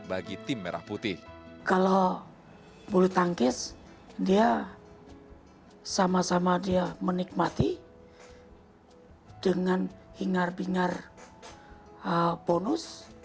kalau bulu tangkis dia sama sama dia menikmati dengan hingar bingar bonus